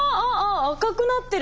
赤くなってる。